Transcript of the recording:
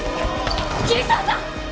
桐沢さん！